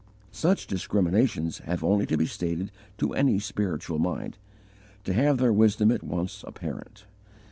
Such discriminations have only to be stated to any spiritual mind, to have their wisdom at once apparent.